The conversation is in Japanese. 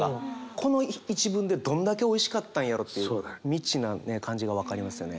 この一文でどんだけおいしかったんやろうという未知なね感じが分かりますよね。